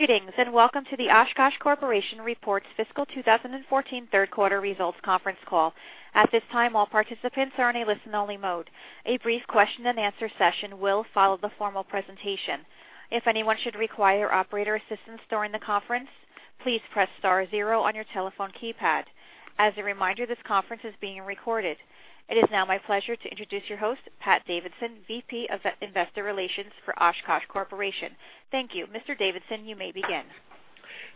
Greetings, and welcome to the Oshkosh Corporation Reports Fiscal 2014 Third Quarter Results conference call. At this time, all participants are in a listen-only mode. A brief question-and-answer session will follow the formal presentation. If anyone should require operator assistance during the conference, please press star zero on your telephone keypad. As a reminder, this conference is being recorded. It is now my pleasure to introduce your host, Pat Davidson, VP of Investor Relations for Oshkosh Corporation. Thank you. Mr. Davidson, you may begin.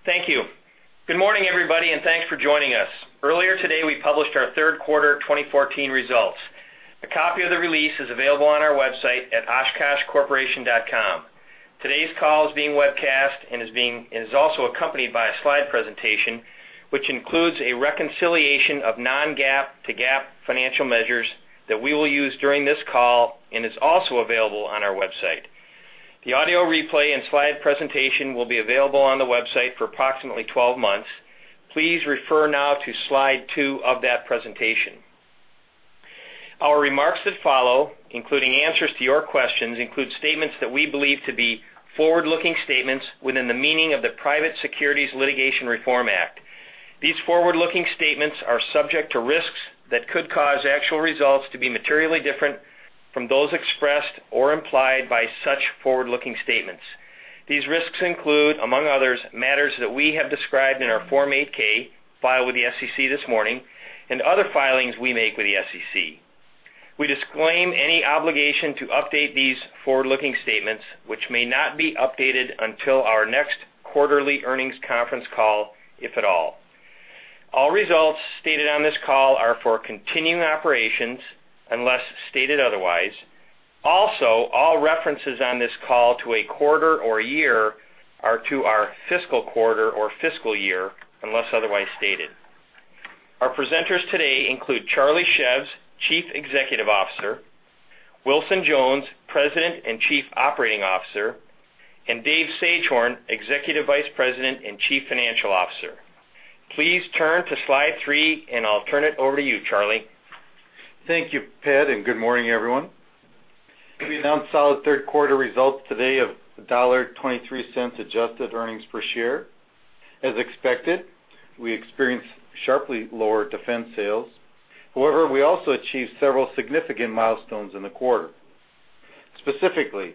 Thank you. Good morning, everybody, and thanks for joining us. Earlier today, we published our third quarter 2014 results. A copy of the release is available on our website at oshkoshcorporation.com. Today's call is being webcast and is also accompanied by a slide presentation, which includes a reconciliation of non-GAAP to GAAP financial measures that we will use during this call and is also available on our website. The audio replay and slide presentation will be available on the website for approximately 12 months. Please refer now to slide two of that presentation. Our remarks that follow, including answers to your questions, include statements that we believe to be forward-looking statements within the meaning of the Private Securities Litigation Reform Act. These forward-looking statements are subject to risks that could cause actual results to be materially different from those expressed or implied by such forward-looking statements. These risks include, among others, matters that we have described in our Form 8-K filed with the SEC this morning and other filings we make with the SEC. We disclaim any obligation to update these forward-looking statements, which may not be updated until our next quarterly earnings conference call, if at all. All results stated on this call are for continuing operations, unless stated otherwise. Also, all references on this call to a quarter or year are to our fiscal quarter or fiscal year, unless otherwise stated. Our presenters today include Charlie Szews, Chief Executive Officer, Wilson Jones, President and Chief Operating Officer, and Dave Sagehorn, Executive Vice President and Chief Financial Officer. Please turn to slide three, and I'll turn it over to you, Charlie. Thank you, Pat, and good morning, everyone. We announced solid third quarter results today of $1.23 adjusted earnings per share. As expected, we experienced sharply lower Defense sales. However, we also achieved several significant milestones in the quarter. Specifically,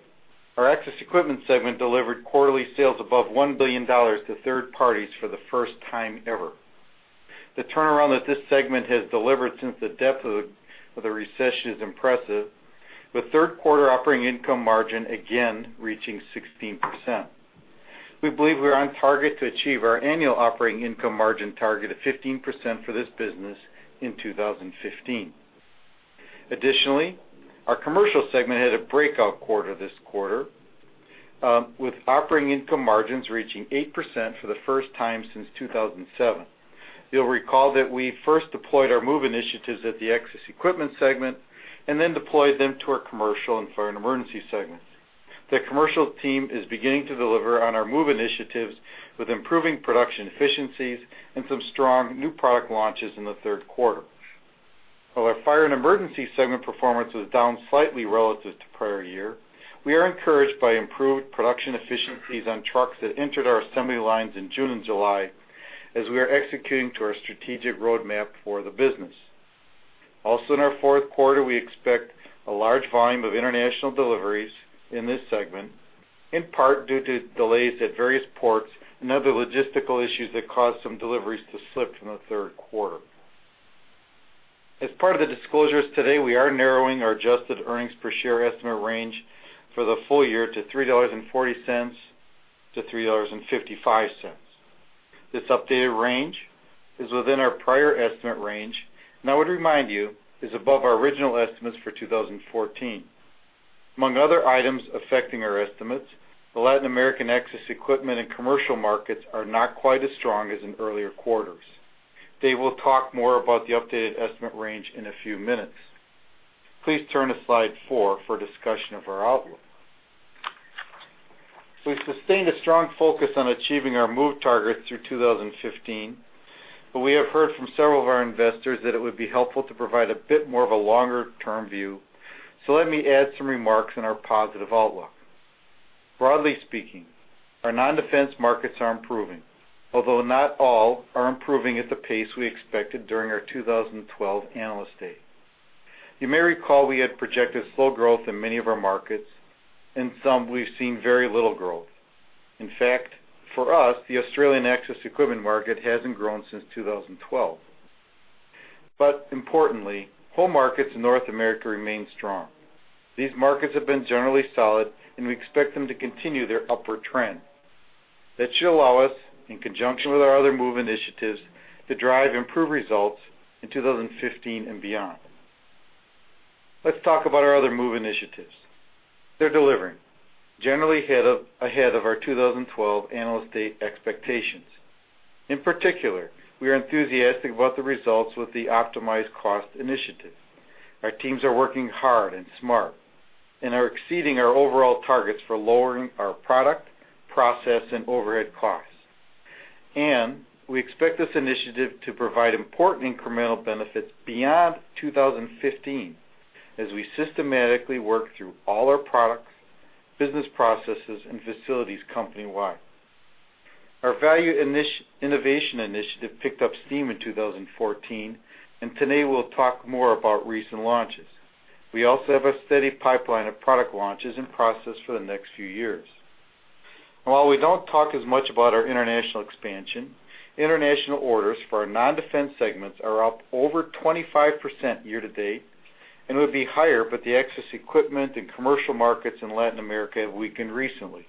our Access Equipment segment delivered quarterly sales above $1 billion to third parties for the first time ever. The turnaround that this segment has delivered since the depth of the recession is impressive, with third quarter operating income margin again reaching 16%. We believe we're on target to achieve our annual operating income margin target of 15% for this business in 2015. Additionally, our Commercial segment had a breakout quarter this quarter, with operating income margins reaching 8% for the first time since 2007. You'll recall that we first deployed our MOVE initiatives at the Access Equipment segment and then deployed them to our Commercial and Fire and Emergency segments. The Commercial team is beginning to deliver on our MOVE initiatives, with improving production efficiencies and some strong new product launches in the third quarter. While our Fire and Emergency segment performance was down slightly relative to prior year, we are encouraged by improved production efficiencies on trucks that entered our assembly lines in June and July as we are executing to our strategic roadmap for the business. Also, in our fourth quarter, we expect a large volume of international deliveries in this segment, in part due to delays at various ports and other logistical issues that caused some deliveries to slip from the third quarter. As part of the disclosures today, we are narrowing our adjusted earnings per share estimate range for the full year to $3.40-$3.55. This updated range is within our prior estimate range, and I would remind you, is above our original estimates for 2014. Among other items affecting our estimates, the Latin American access equipment and commercial markets are not quite as strong as in earlier quarters. Dave will talk more about the updated estimate range in a few minutes. Please turn to slide four for a discussion of our outlook. So we've sustained a strong focus on achieving our MOVE targets through 2015, but we have heard from several of our investors that it would be helpful to provide a bit more of a longer-term view. So let me add some remarks on our positive outlook. Broadly speaking, our non-defense markets are improving, although not all are improving at the pace we expected during our 2012 analyst day. You may recall we had projected slow growth in many of our markets, and some we've seen very little growth. In fact, for us, the Australian access equipment market hasn't grown since 2012. But importantly, home markets in North America remain strong. These markets have been generally solid, and we expect them to continue their upward trend. That should allow us, in conjunction with our other MOVE initiatives, to drive improved results in 2015 and beyond. Let's talk about our other MOVE initiatives. They're delivering, generally ahead of, ahead of our 2012 analyst day expectations. In particular, we are enthusiastic about the results with the optimized cost initiatives. Our teams are working hard and smart and are exceeding our overall targets for lowering our product, process, and overhead costs. And we expect this initiative to provide important incremental benefits beyond 2015 as we systematically work through all our products, business processes, and facilities company-wide. Our value innovation initiative picked up steam in 2014, and today we'll talk more about recent launches. We also have a steady pipeline of product launches in process for the next few years. And while we don't talk as much about our international expansion, international orders for our non-defense segments are up over 25% year-to-date, and would be higher, but the access equipment and commercial markets in Latin America have weakened recently.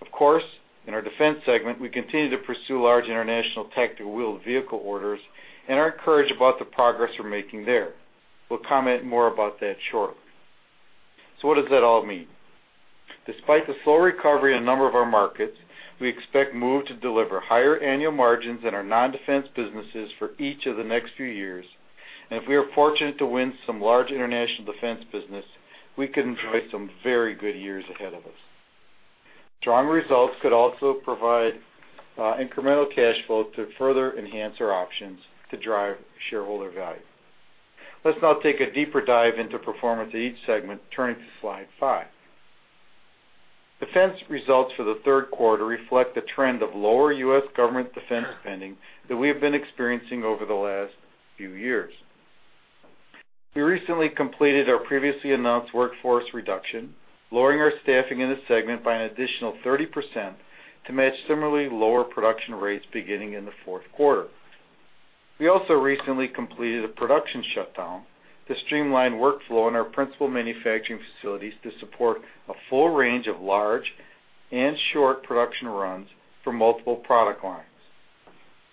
Of course, in our Defense segment, we continue to pursue large international tactical wheeled vehicle orders and are encouraged about the progress we're making there. We'll comment more about that shortly. So what does that all mean? Despite the slow recovery in a number of our markets, we expect MOVE to deliver higher annual margins in our non-defense businesses for each of the next few years. And if we are fortunate to win some large international Defense business, we could enjoy some very good years ahead of us. Strong results could also provide incremental cash flow to further enhance our options to drive shareholder value. Let's now take a deeper dive into performance of each segment, turning to slide five. Defense results for the third quarter reflect the trend of lower U.S. government defense spending that we have been experiencing over the last few years. We recently completed our previously announced workforce reduction, lowering our staffing in the segment by an additional 30% to match similarly lower production rates beginning in the fourth quarter. We also recently completed a production shutdown to streamline workflow in our principal manufacturing facilities to support a full range of large and short production runs for multiple product lines.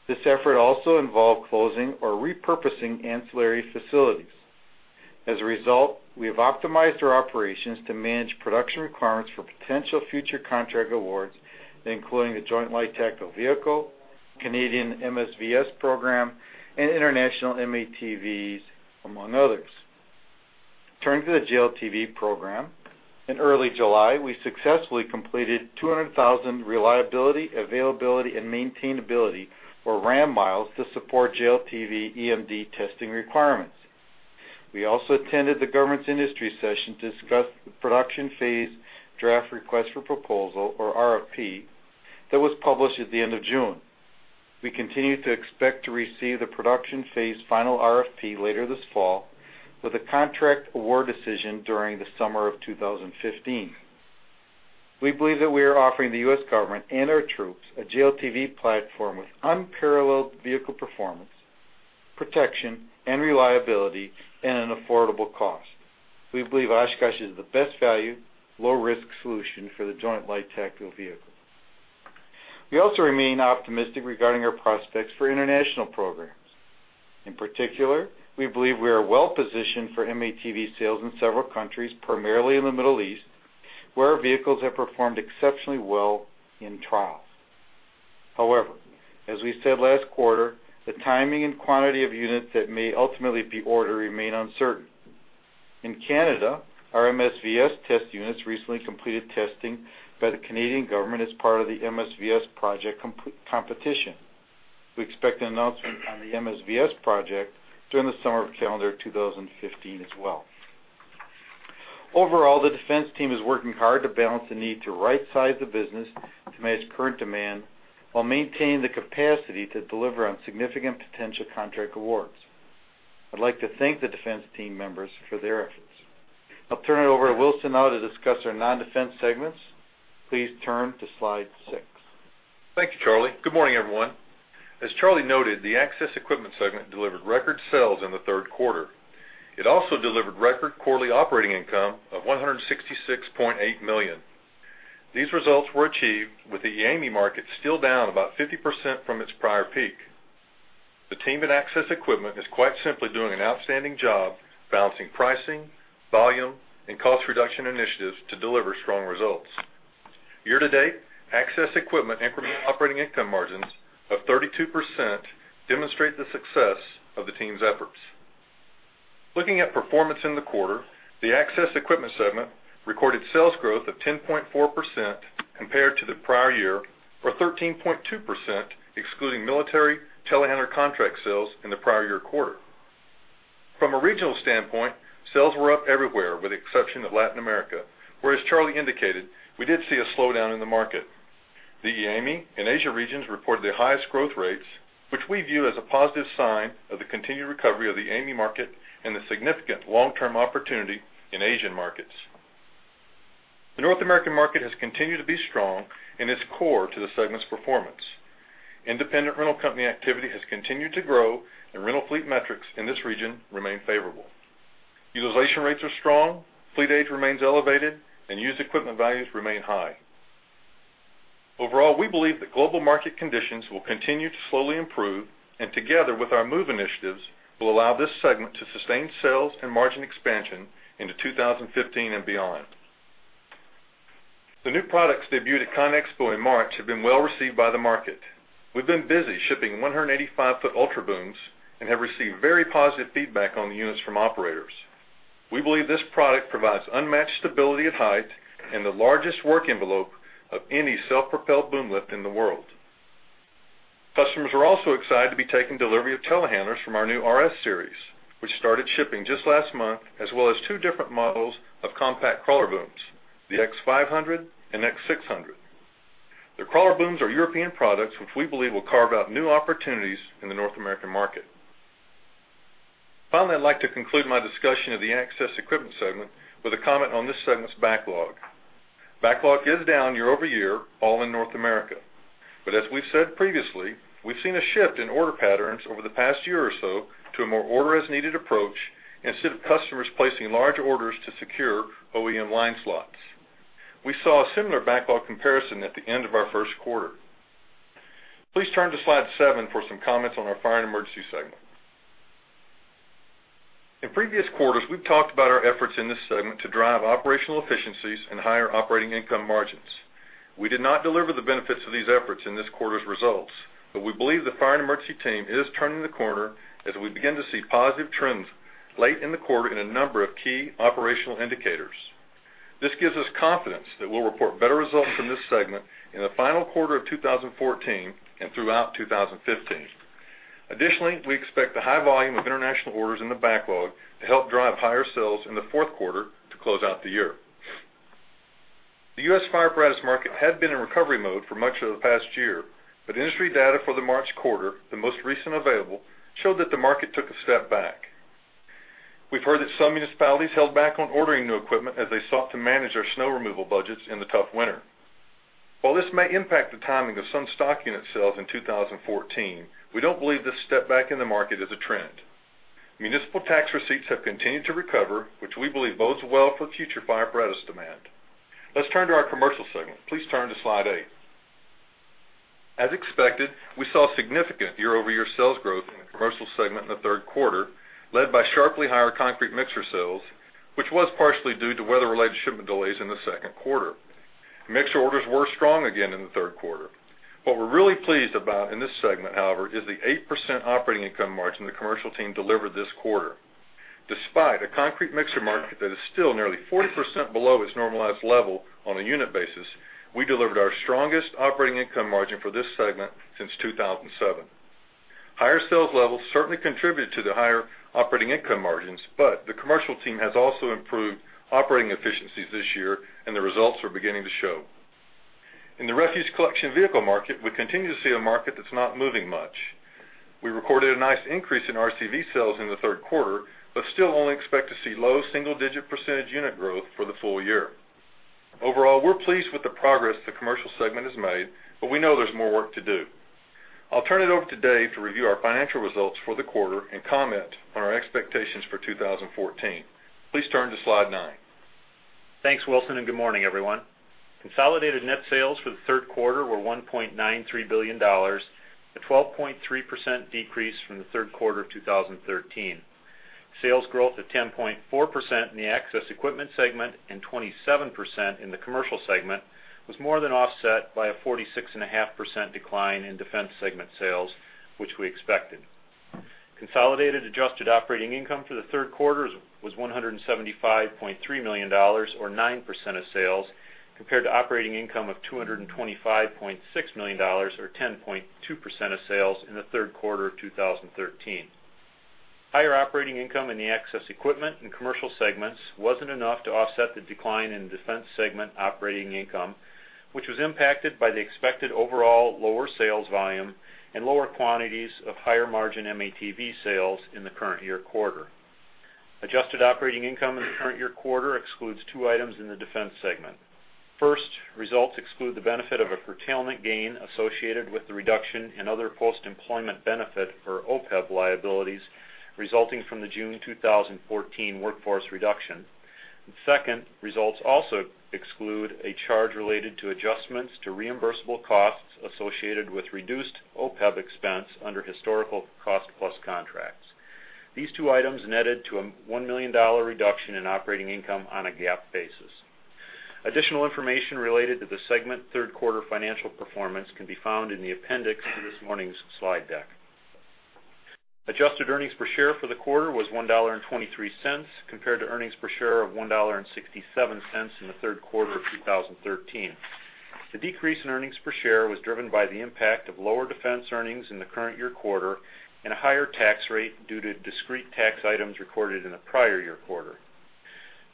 This effort also involved closing or repurposing ancillary facilities. As a result, we have optimized our operations to manage production requirements for potential future contract awards, including the Joint Light Tactical Vehicle, Canadian MSVS program, and international M-ATVs, among others. Turning to the JLTV program, in early July, we successfully completed 200,000 reliability, availability, and maintainability, or RAM miles, to support JLTV EMD testing requirements. We also attended the government's industry session to discuss the production phase draft request for proposal, or RFP, that was published at the end of June. We continue to expect to receive the production phase final RFP later this fall, with a contract award decision during the summer of 2015. We believe that we are offering the U.S. government and our troops a JLTV platform with unparalleled vehicle performance, protection, and reliability at an affordable cost. We believe Oshkosh is the best value, low-risk solution for the Joint Light Tactical Vehicle. We also remain optimistic regarding our prospects for international programs. In particular, we believe we are well-positioned for M-ATV sales in several countries, primarily in the Middle East, where our vehicles have performed exceptionally well in trials. However, as we said last quarter, the timing and quantity of units that may ultimately be ordered remain uncertain. In Canada, our MSVS test units recently completed testing by the Canadian government as part of the MSVS project competition. We expect an announcement on the MSVS project during the summer of calendar 2015 as well. Overall, the Defense team is working hard to balance the need to right-size the business to match current demand, while maintaining the capacity to deliver on significant potential contract awards. I'd like to thank the Defense team members for their efforts. I'll turn it over to Wilson now to discuss our non-defense segments. Please turn to slide six. Thank you, Charlie. Good morning, everyone. As Charlie noted, the Access Equipment segment delivered record sales in the third quarter. It also delivered record quarterly operating income of $166.8 million. These results were achieved with the EAME market still down about 50% from its prior peak. The team at Access Equipment is quite simply doing an outstanding job balancing pricing, volume, and cost reduction initiatives to deliver strong results. Year-to-date, Access Equipment incremental operating income margins of 32% demonstrate the success of the team's efforts. Looking at performance in the quarter, the Access Equipment segment recorded sales growth of 10.4% compared to the prior year, or 13.2%, excluding military telehandler contract sales in the prior year quarter. From a regional standpoint, sales were up everywhere, with the exception of Latin America, where, as Charlie indicated, we did see a slowdown in the market. The EAME and Asia regions reported their highest growth rates, which we view as a positive sign of the continued recovery of the EAME market and the significant long-term opportunity in Asian markets. The North American market has continued to be strong and is core to the segment's performance. Independent rental company activity has continued to grow, and rental fleet metrics in this region remain favorable. Utilization rates are strong, fleet age remains elevated, and used equipment values remain high. Overall, we believe that global market conditions will continue to slowly improve, and together with our MOVE initiatives, will allow this segment to sustain sales and margin expansion into 2015 and beyond. The new products debuted at ConExpo in March have been well received by the market. We've been busy shipping 185-foot Ultra Booms and have received very positive feedback on the units from operators. We believe this product provides unmatched stability at height and the largest work envelope of any self-propelled boom lift in the world. Customers are also excited to be taking delivery of telehandlers from our new RS Series, which started shipping just last month, as well as two different models of Compact Crawler Booms, the X500 and X600. The crawler booms are European products, which we believe will carve out new opportunities in the North American market. Finally, I'd like to conclude my discussion of the Access Equipment segment with a comment on this segment's backlog. Backlog is down year-over-year, all in North America. But as we've said previously, we've seen a shift in order patterns over the past year or so to a more order-as-needed approach instead of customers placing large orders to secure OEM line slots. We saw a similar backlog comparison at the end of our first quarter. Please turn to slide seven for some comments on our Fire and Emergency segment. In previous quarters, we've talked about our efforts in this segment to drive operational efficiencies and higher operating income margins. We did not deliver the benefits of these efforts in this quarter's results, but we believe the Fire and Emergency team is turning the corner as we begin to see positive trends late in the quarter in a number of key operational indicators. This gives us confidence that we'll report better results from this segment in the final quarter of 2014 and throughout 2015. Additionally, we expect the high volume of international orders in the backlog to help drive higher sales in the fourth quarter to close out the year. The U.S. fire apparatus market had been in recovery mode for much of the past year, but industry data for the March quarter, the most recent available, showed that the market took a step back. We've heard that some municipalities held back on ordering new equipment as they sought to manage their snow removal budgets in the tough winter. While this may impact the timing of some stock unit sales in 2014, we don't believe this step back in the market is a trend. Municipal tax receipts have continued to recover, which we believe bodes well for future fire apparatus demand. Let's turn to our Commercial segment. Please turn to slide eight. As expected, we saw significant year-over-year sales growth in the Commercial segment in the third quarter, led by sharply higher concrete mixer sales, which was partially due to weather-related shipment delays in the second quarter. Mixer orders were strong again in the third quarter. What we're really pleased about in this segment, however, is the 8% operating income margin the Commercial team delivered this quarter. Despite a concrete mixer market that is still nearly 40% below its normalized level on a unit basis, we delivered our strongest operating income margin for this segment since 2007. Higher sales levels certainly contributed to the higher operating income margins, but the Commercial team has also improved operating efficiencies this year, and the results are beginning to show. In the refuse collection vehicle market, we continue to see a market that's not moving much. We recorded a nice increase in RCV sales in the third quarter, but still only expect to see low single-digit percentage unit growth for the full year. Overall, we're pleased with the progress the Commercial segment has made, but we know there's more work to do. I'll turn it over to Dave to review our financial results for the quarter and comment on our expectations for 2014. Please turn to Slide nine. Thanks, Wilson, and good morning, everyone. Consolidated net sales for the third quarter were $1.93 billion, a 12.3% decrease from the third quarter of 2013. Sales growth of 10.4% in the Access Equipment segment and 27% in the Commercial segment was more than offset by a 46.5% decline in Defense segment sales, which we expected. Consolidated adjusted operating income for the third quarter was $175.3 million, or 9% of sales, compared to operating income of $225.6 million, or 10.2% of sales, in the third quarter of 2013. Higher operating income in the Access Equipment and Commercial segments wasn't enough to offset the decline in Defense segment operating income, which was impacted by the expected overall lower sales volume and lower quantities of higher-margin M-ATV sales in the current year quarter. Adjusted operating income in the current year quarter excludes two items in the Defense segment. First, results exclude the benefit of a curtailment gain associated with the reduction in other post-employment benefit, or OPEB, liabilities resulting from the June 2014 workforce reduction. Second, results also exclude a charge related to adjustments to reimbursable costs associated with reduced OPEB expense under historical cost-plus contracts. These two items netted to a $1 million reduction in operating income on a GAAP basis. Additional information related to the segment third quarter financial performance can be found in the appendix of this morning's slide deck. Adjusted earnings per share for the quarter was $1.23, compared to earnings per share of $1.67 in the third quarter of 2013. The decrease in earnings per share was driven by the impact of lower Defense earnings in the current year quarter and a higher tax rate due to discrete tax items recorded in the prior year quarter.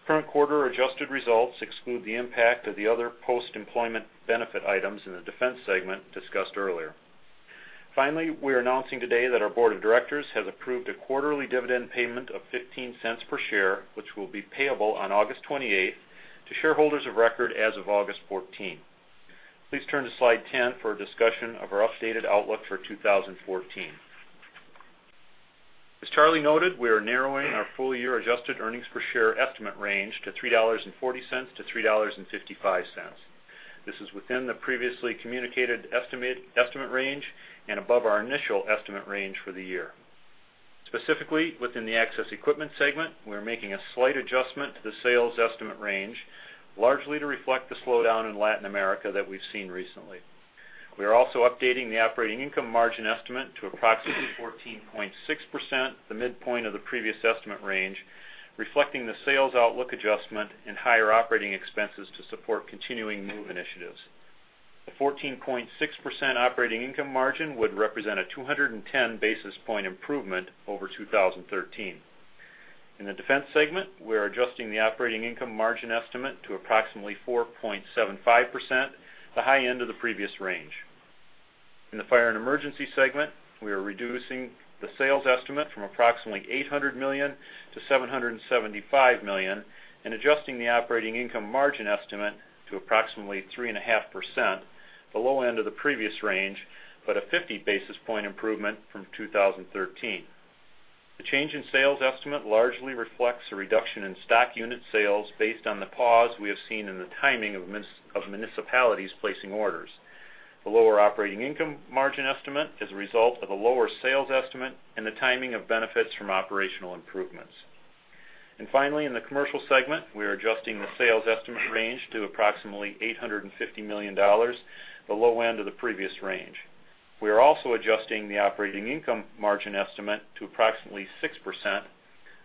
Current quarter adjusted results exclude the impact of the other post-employment benefit items in the Defense segment discussed earlier. Finally, we are announcing today that our board of directors has approved a quarterly dividend payment of $0.15 per share, which will be payable on August 28 to shareholders of record as of August 14. Please turn to Slide 10 for a discussion of our updated outlook for 2014. As Charlie noted, we are narrowing our full-year Adjusted Earnings Per Share estimate range to $3.40-$3.55. This is within the previously communicated estimate, estimate range and above our initial estimate range for the year. Specifically, within the Access Equipment segment, we're making a slight adjustment to the sales estimate range, largely to reflect the slowdown in Latin America that we've seen recently. ...We are also updating the operating income margin estimate to approximately 14.6%, the midpoint of the previous estimate range, reflecting the sales outlook adjustment and higher operating expenses to support continuing new initiatives. The 14.6% operating income margin would represent a 210 basis point improvement over 2013. In the Defense segment, we are adjusting the operating income margin estimate to approximately 4.75%, the high end of the previous range. In the Fire and Emergency segment, we are reducing the sales estimate from approximately $800 million to $775 million, and adjusting the operating income margin estimate to approximately 3.5%, the low end of the previous range, but a 50 basis point improvement from 2013. The change in sales estimate largely reflects a reduction in stock unit sales based on the pause we have seen in the timing of of municipalities placing orders. The lower operating income margin estimate is a result of a lower sales estimate and the timing of benefits from operational improvements. And finally, in the Commercial segment, we are adjusting the sales estimate range to approximately $850 million, the low end of the previous range. We are also adjusting the operating income margin estimate to approximately 6%,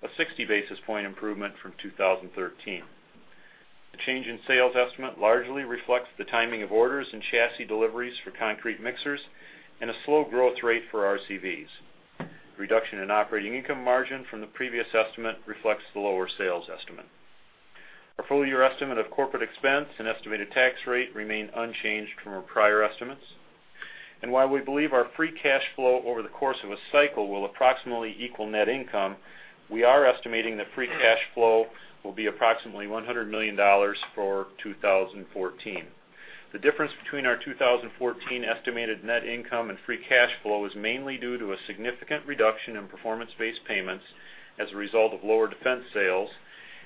a 60 basis point improvement from 2013. The change in sales estimate largely reflects the timing of orders and chassis deliveries for concrete mixers and a slow growth rate for RCVs. Reduction in operating income margin from the previous estimate reflects the lower sales estimate. Our full year estimate of corporate expense and estimated tax rate remain unchanged from our prior estimates. While we believe our free cash flow over the course of a cycle will approximately equal net income, we are estimating that free cash flow will be approximately $100 million for 2014. The difference between our 2014 estimated net income and free cash flow is mainly due to a significant reduction in performance-based payments as a result of lower Defense sales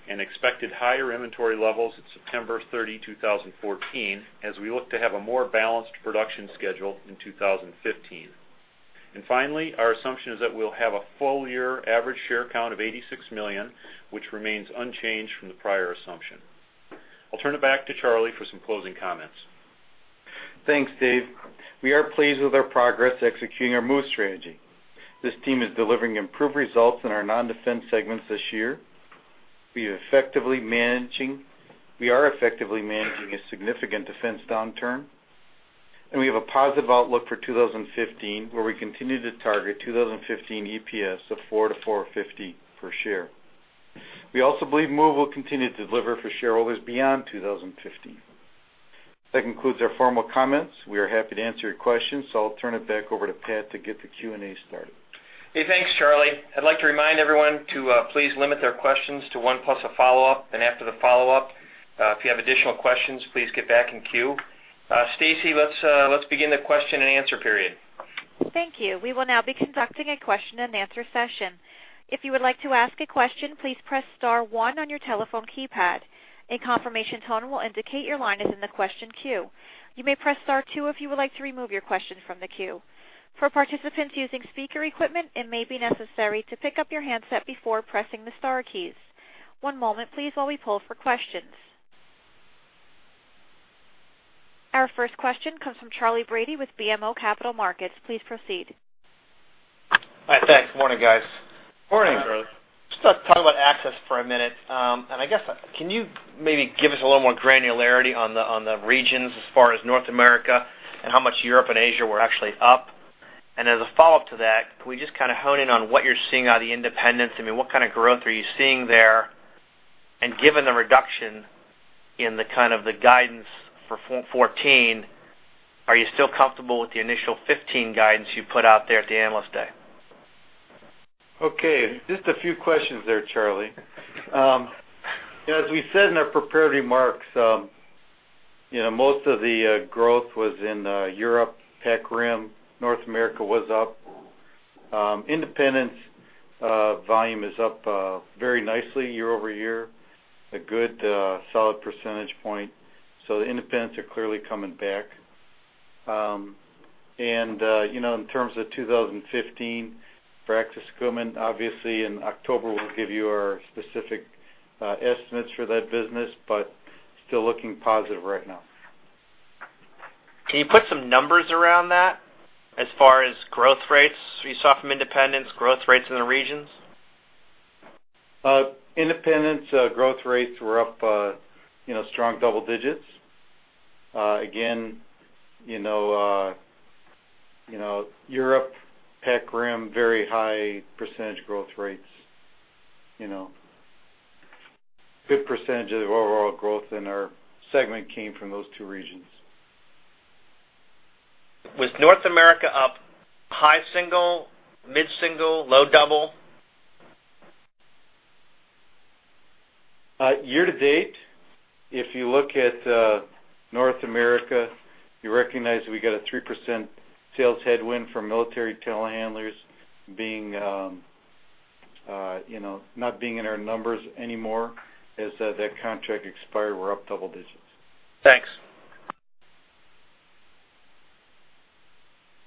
and expected higher inventory levels at September 30, 2014, as we look to have a more balanced production schedule in 2015. Finally, our assumption is that we'll have a full year average share count of 86 million, which remains unchanged from the prior assumption. I'll turn it back to Charlie for some closing comments. Thanks, Dave. We are pleased with our progress executing our MOVE Strategy. This team is delivering improved results in our non-defense segments this year. We are effectively managing a significant defense downturn, and we have a positive outlook for 2015, where we continue to target 2015 EPS of $4-$4.50 per share. We also believe MOVE will continue to deliver for shareholders beyond 2015. That concludes our formal comments. We are happy to answer your questions, so I'll turn it back over to Pat to get the Q&A started. Hey, thanks, Charlie. I'd like to remind everyone to please limit their questions to one plus a follow-up. After the follow-up, if you have additional questions, please get back in queue. Stacy, let's begin the question-and-answer period. Thank you. We will now be conducting a question-and-answer session. If you would like to ask a question, please press star one on your telephone keypad. A confirmation tone will indicate your line is in the question queue. You may press star two if you would like to remove your question from the queue. For participants using speaker equipment, it may be necessary to pick up your handset before pressing the star keys. One moment, please, while we pull for questions. Our first question comes from Charley Brady with BMO Capital Markets. Please proceed. Hi, thanks. Morning, guys. Morning, Charley. Just talk about access for a minute. And I guess, can you maybe give us a little more granularity on the regions as far as North America, and how much Europe and Asia were actually up? And as a follow-up to that, can we just kind of hone in on what you're seeing out of the independents? I mean, what kind of growth are you seeing there? And given the reduction in the kind of the guidance for 2014, are you still comfortable with the initial 2015 guidance you put out there at the Analyst Day? Okay, just a few questions there, Charlie. As we said in our prepared remarks, you know, most of the growth was in Europe, Pac-Rim. North America was up. Independents volume is up very nicely year over year, a good solid percentage point. So the independents are clearly coming back. And you know, in terms of 2015, for access equipment, obviously in October, we'll give you our specific estimates for that business, but still looking positive right now. Can you put some numbers around that as far as growth rates you saw from independents, growth rates in the regions? Independents, growth rates were up, you know, strong double digits. Again, you know, you know, Europe, Pac-Rim, very high percentage growth rates. You know, good percentage of the overall growth in our segment came from those two regions. Was North America up high single, mid-single, low double? Year to date, if you look at North America, you recognize we got a 3% sales headwind from military telehandlers being, you know, not being in our numbers anymore. As that contract expired, we're up double digits. Thanks.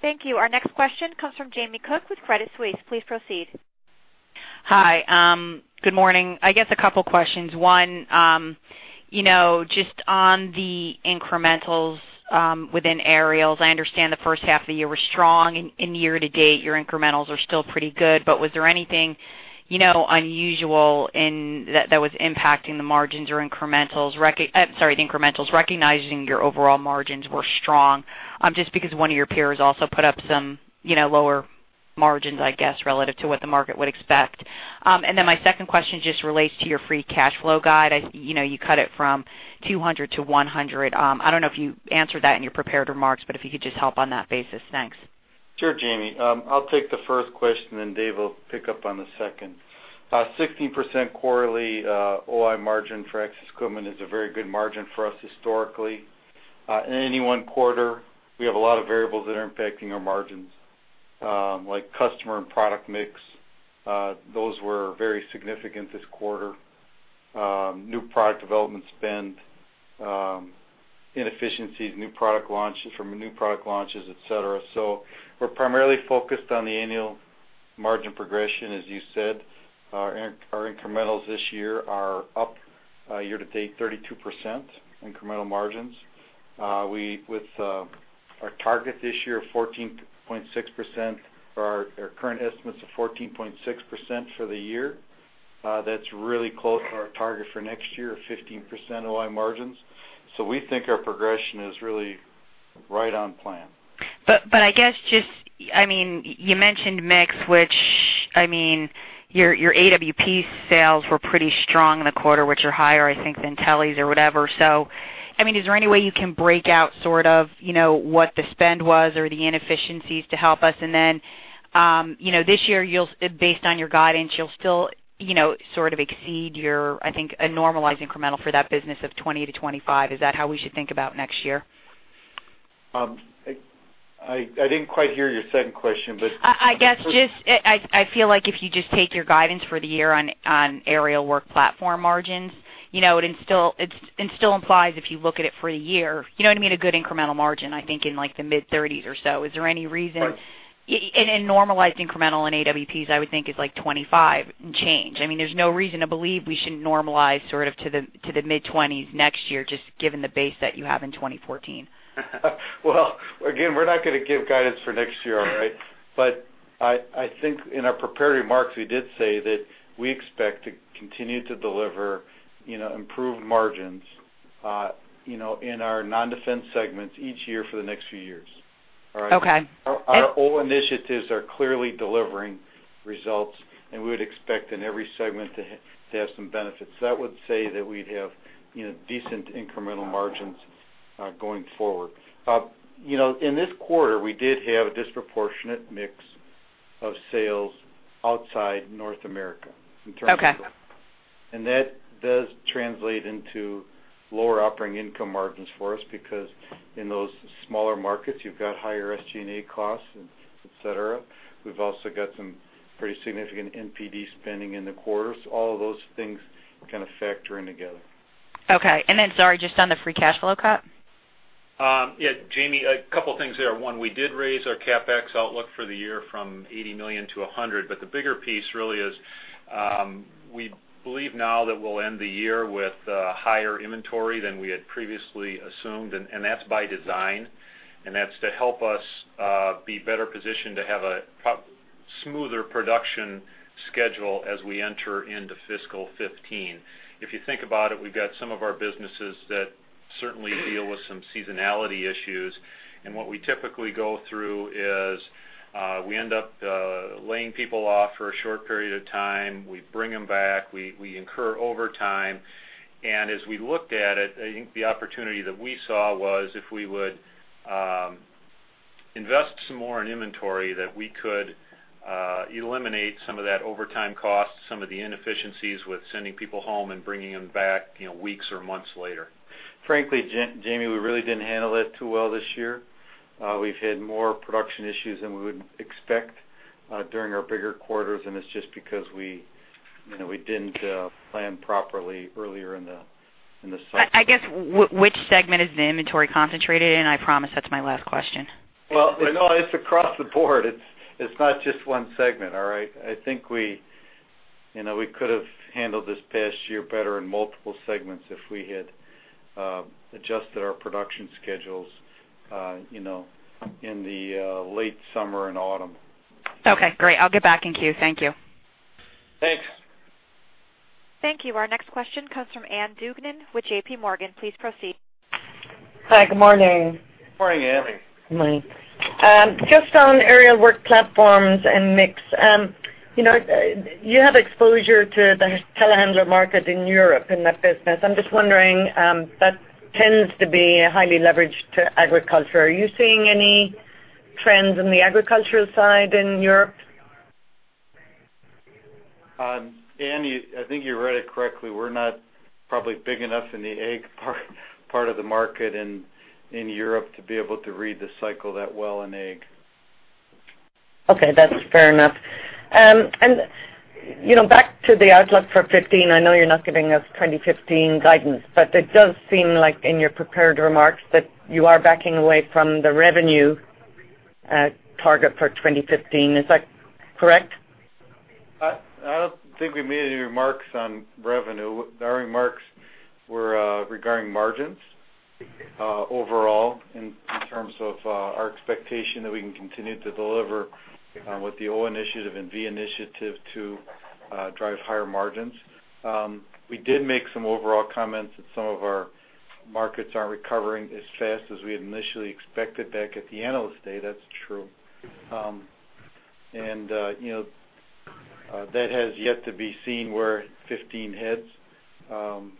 Thank you. Our next question comes from Jamie Cook with Credit Suisse. Please proceed. Hi, good morning. I guess a couple questions. One, you know, just on the incrementals within Aerials, I understand the first half of the year were strong, and year-to-date, your incrementals are still pretty good. But was there anything, you know, unusual in that that was impacting the margins or incrementals, the incrementals, recognizing your overall margins were strong? Just because one of your peers also put up some, you know, lower margins, I guess, relative to what the market would expect. And then my second question just relates to your free cash flow guide. As you know, you cut it from $200 to $100. I don't know if you answered that in your prepared remarks, but if you could just help on that basis. Thanks. Sure, Jamie. I'll take the first question, then Dave will pick up on the second. Sixteen percent quarterly OI margin for Access Equipment is a very good margin for us historically. In any one quarter, we have a lot of variables that are impacting our margins, like customer and product mix. Those were very significant this quarter. New product development spend, inefficiencies, new product launches from new product launches, et cetera. So we're primarily focused on the annual margin progression. As you said, our incrementals this year are up, year-to-date, 32% incremental margins. With our target this year, 14.6%, or our current estimates of 14.6% for the year, that's really close to our target for next year of 15% OI margins. We think our progression is really right on plan. But I guess just, I mean, you mentioned mix, which, I mean, your AWP sales were pretty strong in the quarter, which are higher, I think, than teles or whatever. So, I mean, is there any way you can break out sort of, you know, what the spend was or the inefficiencies to help us? And then, you know, this year, you'll, based on your guidance, you'll still, you know, sort of exceed your, I think, a normalized incremental for that business of 20%-25%. Is that how we should think about next year? I didn't quite hear your second question, but- I guess I feel like if you just take your guidance for the year on aerial work platform margins, you know, it still implies, if you look at it for a year, you know what I mean? A good incremental margin, I think, in like the mid-30s or so. Is there any reason- Right. In normalized incremental in AWPs, I would think is like 25% and change. I mean, there's no reason to believe we shouldn't normalize sort of to the mid-20s next year, just given the base that you have in 2014. Well, again, we're not going to give guidance for next year, all right? But I, I think in our prepared remarks, we did say that we expect to continue to deliver, you know, improved margins, you know, in our non-defense segments each year for the next few years. All right? Okay. Our initiatives are clearly delivering results, and we would expect in every segment to have some benefits. That would say that we'd have, you know, decent incremental margins going forward. You know, in this quarter, we did have a disproportionate mix of sales outside North America in terms of- Okay. That does translate into lower operating income margins for us, because in those smaller markets, you've got higher SG&A costs, et cetera. We've also got some pretty significant NPD spending in the quarter. All of those things kind of factor in together. Okay. And then, sorry, just on the free cash flow, Scott? Yeah, Jamie, a couple things there. One, we did raise our CapEx outlook for the year from $80 million-$100 million, but the bigger piece really is, we believe now that we'll end the year with higher inventory than we had previously assumed, and that's by design. And that's to help us be better positioned to have a smoother production schedule as we enter into fiscal 2015. If you think about it, we've got some of our businesses that certainly deal with some seasonality issues. And what we typically go through is, we end up laying people off for a short period of time. We bring them back, we incur overtime. As we looked at it, I think the opportunity that we saw was if we would invest some more in inventory, that we could eliminate some of that overtime cost, some of the inefficiencies with sending people home and bringing them back, you know, weeks or months later. Frankly, Jamie, we really didn't handle that too well this year. We've had more production issues than we would expect during our bigger quarters, and it's just because we, you know, we didn't plan properly earlier in the cycle. I guess, which segment is the inventory concentrated in? I promise that's my last question. Well, no, it's across the board. It's, it's not just one segment, all right? I think we, you know, we could have handled this past year better in multiple segments if we had adjusted our production schedules, you know, in the late summer and autumn. Okay, great. I'll get back in queue. Thank you. Thanks. Thank you. Our next question comes from Ann Duignan with JPMorgan. Please proceed. Hi, good morning. Good morning, Ann. Good morning. Just on aerial work platforms and mix. You know, you have exposure to the telehandler market in Europe in that business. I'm just wondering, that tends to be highly leveraged to agriculture. Are you seeing any trends in the agricultural side in Europe? Annie, I think you're right it correctly. We're not probably big enough in the ag part of the market in Europe to be able to read the cycle that well in ag. Okay, that's fair enough. And, you know, back to the outlook for 15, I know you're not giving us 2015 guidance, but it does seem like in your prepared remarks that you are backing away from the revenue target for 2015. Is that correct? I don't think we made any remarks on revenue. Our remarks were regarding margins overall, in terms of our expectation that we can continue to deliver with the O initiative and V initiative to drive higher margins. We did make some overall comments that some of our markets aren't recovering as fast as we had initially expected back at the Analyst Day. That's true. That has yet to be seen where 2015 ends, and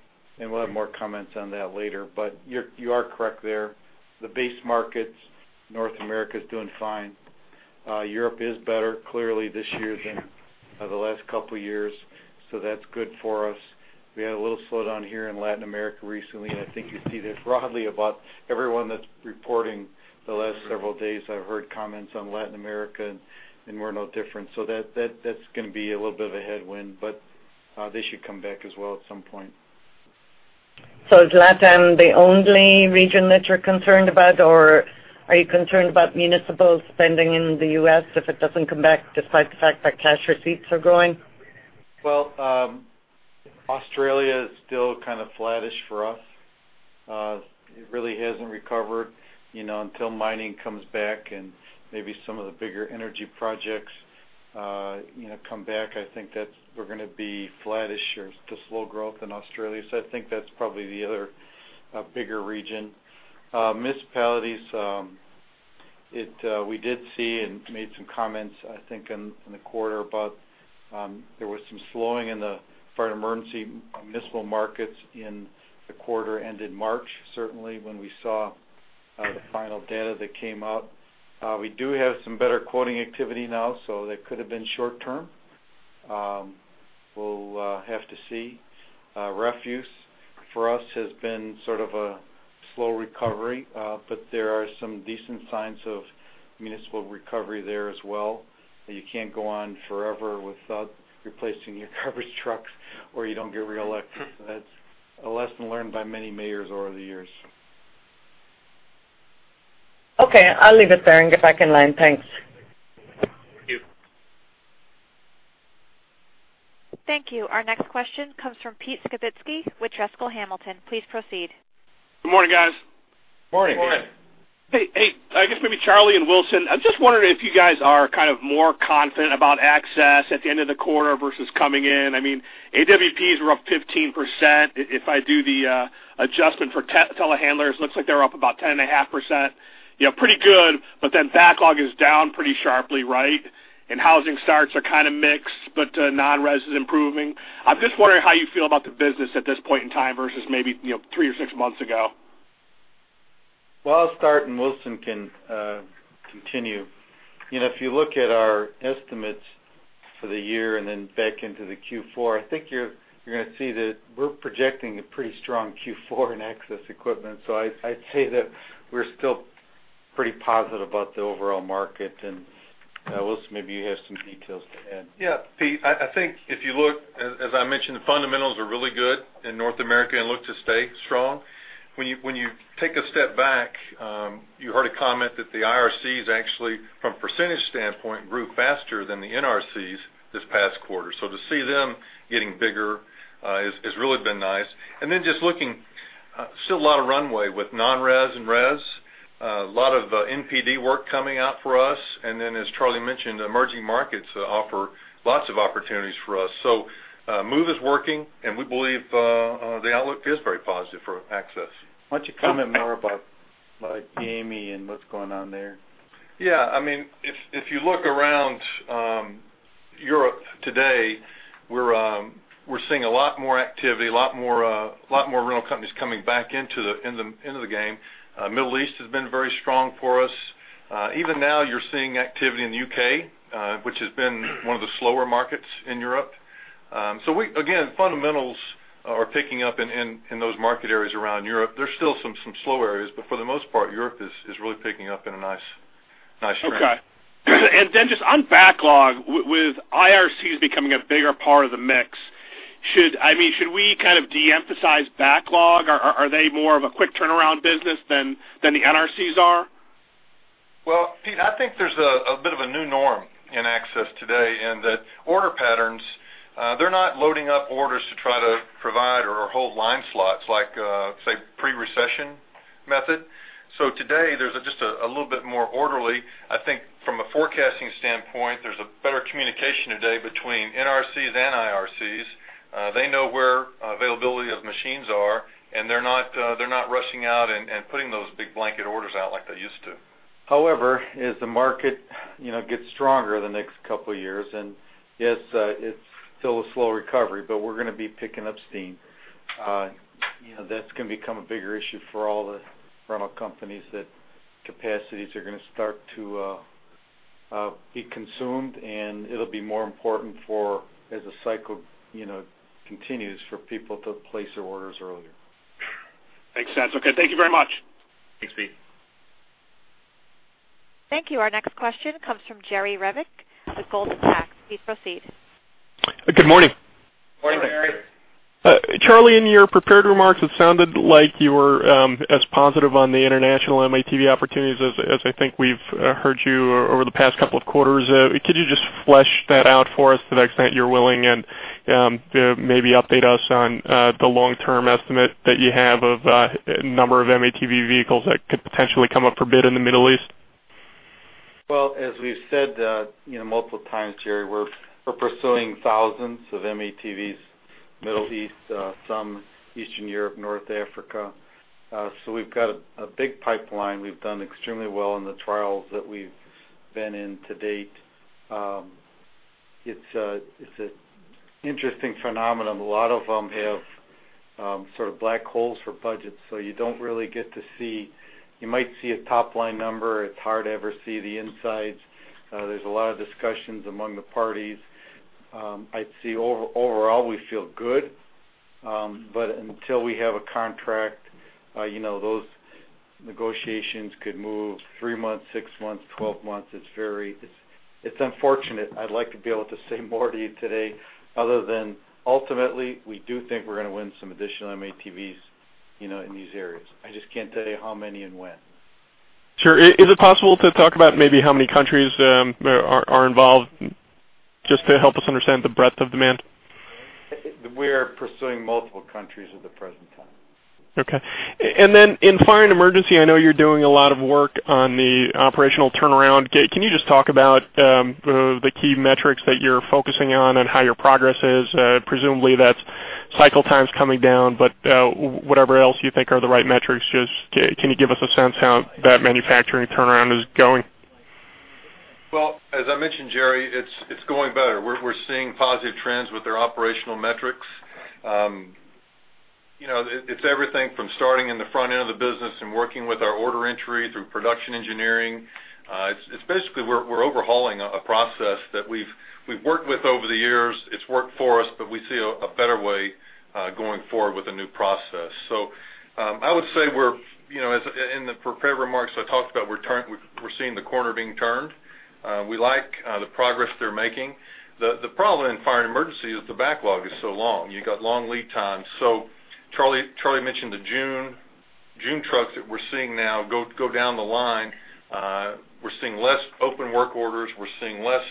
we'll have more comments on that later. But you are correct there. The base markets, North America, is doing fine. Europe is better, clearly, this year than the last couple of years, so that's good for us. We had a little slowdown here in Latin America recently, and I think you see this broadly about everyone that's reporting the last several days. I've heard comments on Latin America, and we're no different. So that's gonna be a little bit of a headwind, but they should come back as well at some point. Is Latin the only region that you're concerned about, or are you concerned about municipal spending in the U.S. if it doesn't come back, despite the fact that cash receipts are growing? Well, Australia is still kind of flattish for us. It really hasn't recovered, you know, until mining comes back and maybe some of the bigger energy projects, you know, come back. I think we're gonna be flattish or just slow growth in Australia. So I think that's probably the other bigger region. Municipalities, we did see and made some comments, I think, in the quarter, about there was some slowing in the fire and emergency municipal markets in the quarter ended March. Certainly, when we saw the final data that came out. We do have some better quoting activity now, so that could have been short term. We'll have to see. Refuse, for us, has been sort of a slow recovery, but there are some decent signs of municipal recovery there as well. You can't go on forever without replacing your garbage trucks, or you don't get reelected. That's a lesson learned by many mayors over the years. Okay, I'll leave it there and get back in line. Thanks. Thank you. Thank you. Our next question comes from Pete Skibitski with Drexel Hamilton. Please proceed. Good morning, guys. Morning. Morning. Hey, hey, I guess maybe Charlie and Wilson, I'm just wondering if you guys are kind of more confident about access at the end of the quarter versus coming in. I mean, AWPs were up 15%. If I do the adjustment for telehandlers, it looks like they're up about 10.5%. Yeah, pretty good, but then backlog is down pretty sharply, right? And housing starts are kind of mixed, but non-res is improving. I'm just wondering how you feel about the business at this point in time versus maybe, you know, three or six months ago. Well, I'll start, and Wilson can continue. You know, if you look at our estimates for the year and then back into the Q4, I think you're, you're gonna see that we're projecting a pretty strong Q4 in access equipment. So I'd, I'd say that we're still pretty positive about the overall market, and Wilson, maybe you have some details to add. Yeah, Pete, I think if you look, as I mentioned, the fundamentals are really good in North America and look to stay strong. When you take a step back, you heard a comment that the IRCs actually, from a percentage standpoint, grew faster than the NRCs this past quarter. So to see them getting bigger has really been nice. And then just looking, still a lot of runway with non-res and res, a lot of NPD work coming out for us. And then, as Charlie mentioned, the emerging markets offer lots of opportunities for us. So, MOVE is working, and we believe the outlook is very positive for access. Why don't you comment more about, like, EMEA and what's going on there? Yeah, I mean, if you look around Europe today, we're seeing a lot more activity, a lot more rental companies coming back into the game. Middle East has been very strong for us. Even now, you're seeing activity in the UK, which has been one of the slower markets in Europe. So we -- again, fundamentals are picking up in those market areas around Europe. There's still some slow areas, but for the most part, Europe is really picking up in a nice trend. Okay. And then just on backlog, with IRCs becoming a bigger part of the mix, should... I mean, should we kind of de-emphasize backlog, or, are they more of a quick turnaround business than the NRCs are? Well, Pete, I think there's a bit of a new norm in access today, in that order patterns, they're not loading up orders to try to provide or hold line slots like, say, pre-recession method. So today, there's just a little bit more orderly. I think from a forecasting standpoint, there's a better communication today between NRCs and IRCs. They know where availability of machines are, and they're not rushing out and putting those big blanket orders out like they used to. However, as the market, you know, gets stronger the next couple of years, and yes, it's still a slow recovery, but we're gonna be picking up steam. You know, that's gonna become a bigger issue for all the rental companies, that capacities are gonna start to be consumed, and it'll be more important for, as the cycle, you know, continues, for people to place their orders earlier. Makes sense. Okay, thank you very much. Thanks, Pete. Thank you. Our next question comes from Jerry Revich with Goldman Sachs. Please proceed. Good morning. Morning, Jerry. Charlie, in your prepared remarks, it sounded like you were as positive on the international M-ATV opportunities as I think we've heard you over the past couple of quarters. Could you just flesh that out for us to the extent you're willing, and maybe update us on the long-term estimate that you have of number of M-ATV vehicles that could potentially come up for bid in the Middle East? Well, as we've said, you know, multiple times, Jerry, we're pursuing thousands of M-ATVs, Middle East, some Eastern Europe, North Africa. So we've got a big pipeline. We've done extremely well in the trials that we've been in to date. It's an interesting phenomenon. A lot of them have sort of black holes for budgets, so you don't really get to see... You might see a top-line number. It's hard to ever see the insides. There's a lot of discussions among the parties. I'd say overall, we feel good, but until we have a contract, you know, those negotiations could move three months, six months, 12 months. It's very unfortunate. I'd like to be able to say more to you today, other than ultimately, we do think we're gonna win some additional M-ATVs, you know, in these areas. I just can't tell you how many and when. Sure. Is it possible to talk about maybe how many countries are involved, just to help us understand the breadth of demand? We are pursuing multiple countries at the present time. Okay. And then in Fire and Emergency, I know you're doing a lot of work on the operational turnaround. Can you just talk about the key metrics that you're focusing on and how your progress is? Presumably, that's cycle times coming down, but whatever else you think are the right metrics, just can you give us a sense how that manufacturing turnaround is going? Well, as I mentioned, Jerry, it's going better. We're seeing positive trends with their operational metrics. You know, everything from starting in the front end of the business and working with our order entry through production engineering. It's basically we're overhauling a process that we've worked with over the years. It's worked for us, but we see a better way going forward with the new process. So, I would say we're, you know, as in the prepared remarks, I talked about we're seeing the corner being turned. We like the progress they're making. The problem in Fire and Emergency is the backlog is so long. You got long lead times. So Charlie mentioned the June trucks that we're seeing now go down the line. We're seeing less open work orders. We're seeing less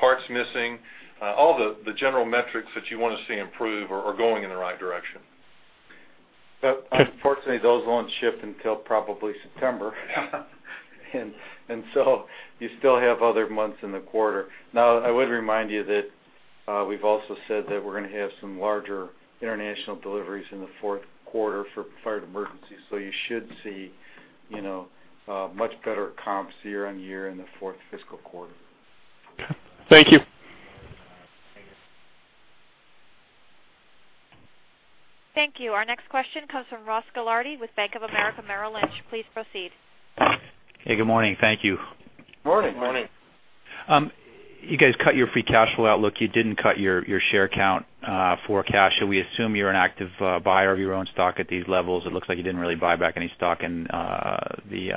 parts missing. All the general metrics that you want to see improve are going in the right direction. But unfortunately, those won't ship until probably September. And so you still have other months in the quarter. Now, I would remind you that we've also said that we're gonna have some larger international deliveries in the fourth quarter for Fire and Emergency, so you should see, you know, a much better comps year-over-year in the fourth fiscal quarter. Thank you. Thank you. Thank you. Our next question comes from Ross Gilardi with Bank of America Merrill Lynch. Please proceed. Hey, good morning. Thank you. Morning. Morning. You guys cut your free cash flow outlook. You didn't cut your share count for cash. Should we assume you're an active buyer of your own stock at these levels? It looks like you didn't really buy back any stock in the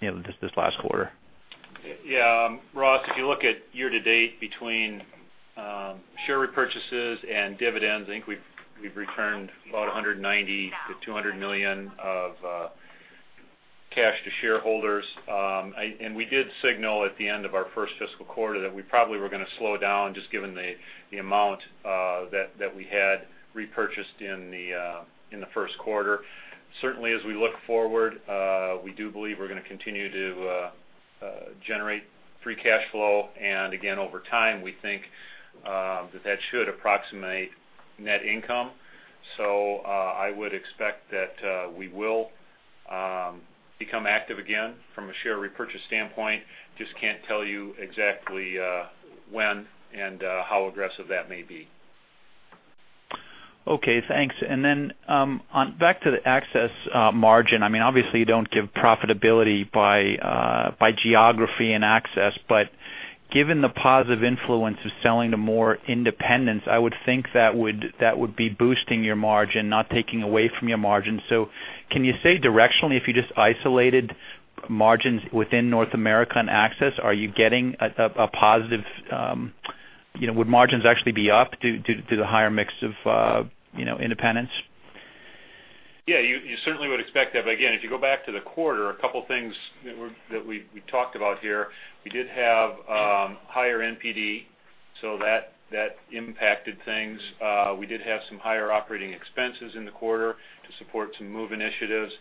you know this last quarter. Yeah, Ross, if you look at year to date between share repurchases and dividends, I think we've returned about $190 million-$200 million of cash to shareholders. And we did signal at the end of our first fiscal quarter that we probably were gonna slow down, just given the amount that we had repurchased in the first quarter. Certainly, as we look forward, we do believe we're gonna continue to generate free cash flow, and again, over time, we think that that should approximate net income. So, I would expect that we will become active again from a share repurchase standpoint. Just can't tell you exactly when and how aggressive that may be. Okay, thanks. And then, on back to the access, margin, I mean, obviously, you don't give profitability by, by geography and access, but given the positive influence of selling to more independents, I would think that would be boosting your margin, not taking away from your margin. So can you say directionally, if you just isolated margins within North America and access, are you getting a positive... You know, would margins actually be up due to the higher mix of, you know, independents? Yeah, you certainly would expect that. But again, if you go back to the quarter, a couple things that we talked about here, we did have higher NPD, so that impacted things. We did have some higher operating expenses in the quarter to support some MOVE initiatives.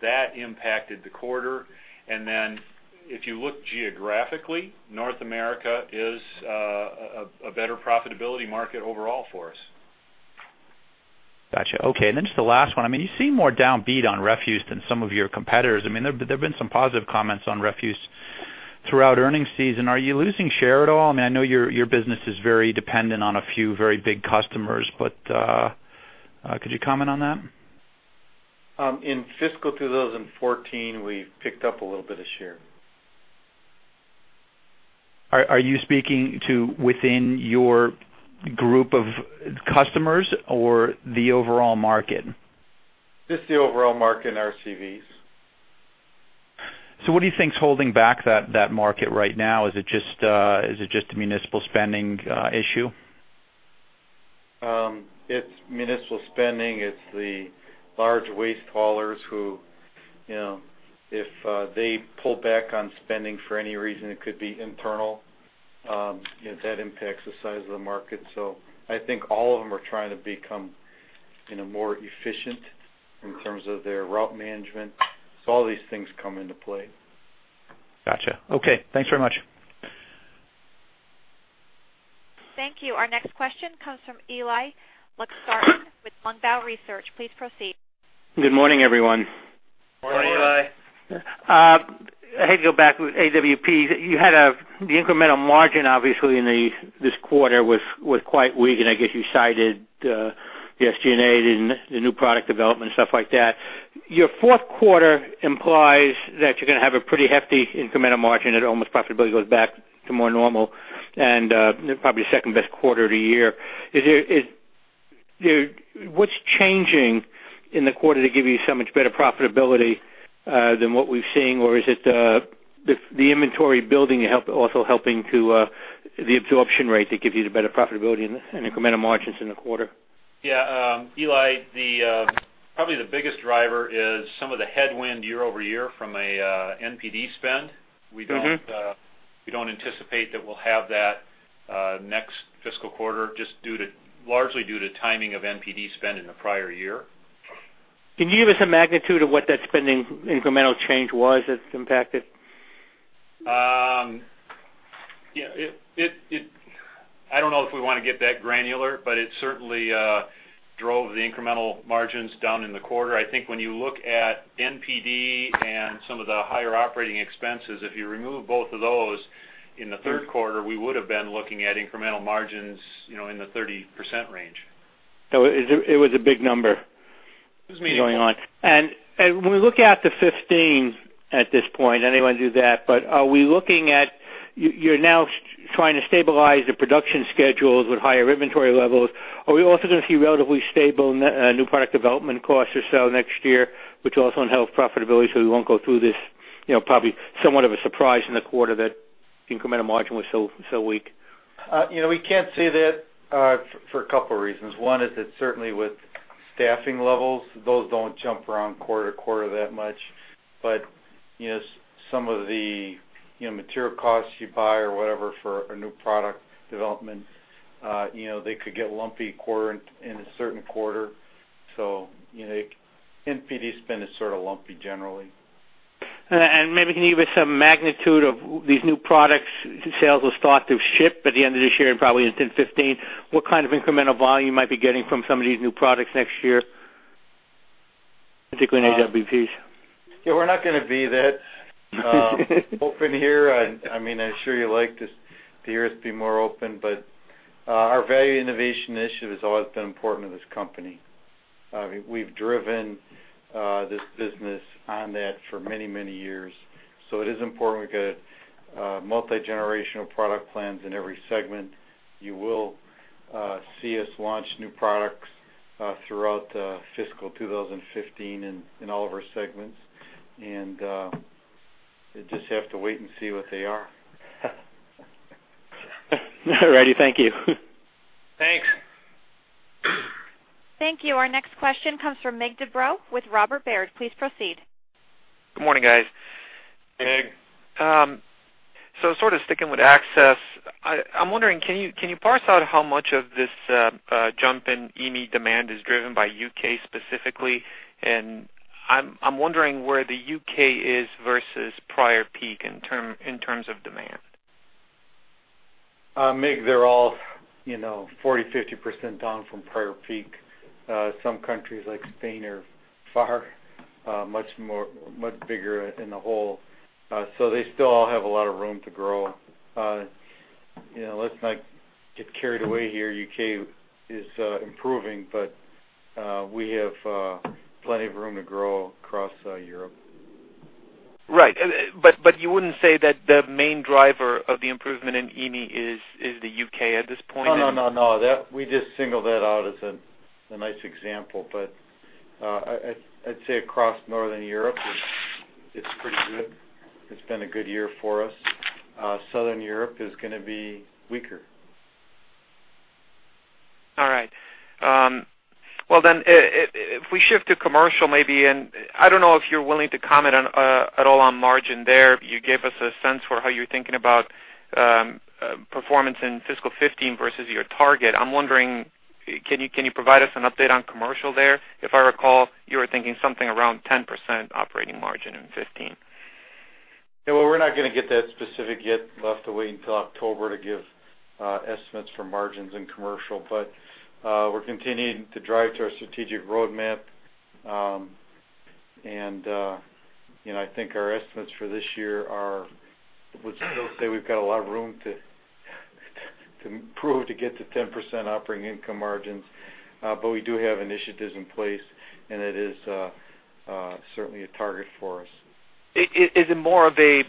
That impacted the quarter. And then, if you look geographically, North America is a better profitability market overall for us. Gotcha. Okay, and then just the last one. I mean, you seem more downbeat on refuse than some of your competitors. I mean, there have been some positive comments on refuse throughout earnings season. Are you losing share at all? I mean, I know your business is very dependent on a few very big customers, but could you comment on that? In fiscal 2014, we've picked up a little bit of share. Are you speaking to within your group of customers or the overall market? Just the overall market in RCVs.... So what do you think is holding back that market right now? Is it just a municipal spending issue? It's municipal spending. It's the large waste haulers who, you know, if they pull back on spending for any reason, it could be internal, you know, that impacts the size of the market. So I think all of them are trying to become, in a more efficient in terms of their route management. So all these things come into play. Gotcha. Okay, thanks very much. Thank you. Our next question comes from Eli Lustgarten with Longbow Research. Please proceed. Good morning, everyone. Morning, Eli. I have to go back with AWP. You had, the incremental margin, obviously, in this quarter was quite weak, and I guess you cited, the SG&A and the new product development, stuff like that. Your fourth quarter implies that you're gonna have a pretty hefty incremental margin, and almost profitability goes back to more normal and, probably the second best quarter of the year. Is there, what's changing in the quarter to give you so much better profitability, than what we've seen? Or is it, the inventory building also helping to, the absorption rate that gives you the better profitability and incremental margins in the quarter? Yeah, Eli, probably the biggest driver is some of the headwind year over year from a NPD spend. Mm-hmm. We don't anticipate that we'll have that next fiscal quarter, just largely due to timing of NPD spend in the prior year. Can you give us a magnitude of what that spending incremental change was that's impacted? Yeah, I don't know if we wanna get that granular, but it certainly drove the incremental margins down in the quarter. I think when you look at NPD and some of the higher operating expenses, if you remove both of those in the third quarter, we would have been looking at incremental margins, you know, in the 30% range. So it was a big number- It was meaningful. Going on. And when we look out to 2015 at this point, looking into that, but are we looking at, you, you're now trying to stabilize the production schedules with higher inventory levels. Are we also gonna see relatively stable new product development costs or so next year, which also enhance profitability, so we won't go through this, you know, probably somewhat of a surprise in the quarter that incremental margin was so, so weak? you know, we can't say that, for a couple reasons. One is that certainly with staffing levels, those don't jump around quarter to quarter that much. But, you know, some of the, you know, material costs you buy or whatever for a new product development, you know, they could get lumpy quarter, in a certain quarter. So, you know, NPD spend is sort of lumpy generally. And maybe can you give us some magnitude of these new products? Sales will start to ship at the end of this year and probably in 10-15. What kind of incremental volume you might be getting from some of these new products next year, particularly in AWPs? Yeah, we're not gonna be that open here. I mean, I'm sure you'd like to hear us be more open, but our value innovation initiative has always been important to this company. We've driven this business on that for many, many years, so it is important we get multigenerational product plans in every segment. You will see us launch new products throughout fiscal 2015 in all of our segments, and you'll just have to wait and see what they are. All righty. Thank you. Thanks. Thank you. Our next question comes from Mig Dobre with Robert W. Baird. Please proceed. Good morning, guys. Mig. So sort of sticking with access, I'm wondering, can you parse out how much of this jump in EMEA demand is driven by U.K. specifically? And I'm wondering where the U.K. is versus prior peak in terms of demand. Mig, they're all, you know, 40%-50% down from prior peak. Some countries like Spain are far, much more, much bigger in the hole. So they still all have a lot of room to grow. You know, let's not get carried away here. U.K. is improving, but we have plenty of room to grow across Europe. Right. But you wouldn't say that the main driver of the improvement in EMEA is the U.K. at this point? No, no, no, no. That—we just singled that out as a, a nice example, but, I'd, I'd say across Northern Europe, it's, it's pretty good. It's been a good year for us. Southern Europe is gonna be weaker. All right. Well, then, if we shift to commercial, maybe, and I don't know if you're willing to comment on, at all on margin there. You gave us a sense for how you're thinking about, performance in fiscal 2015 versus your target. I'm wondering, can you, can you provide us an update on commercial there? If I recall, you were thinking something around 10% operating margin in 2015. Yeah, well, we're not gonna get that specific yet. We'll have to wait until October to give estimates for margins in commercial. But we're continuing to drive to our strategic roadmap. And you know, I think our estimates for this year are... We'd still say we've got a lot of room to improve, to get to 10% operating income margins. But we do have initiatives in place, and it is certainly a target for us. Is it more of a